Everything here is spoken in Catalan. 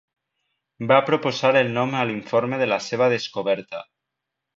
Va proposar el nom a l'informe de la seva descoberta.